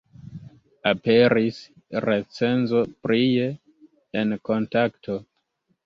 Aperis recenzo prie en Kontakto.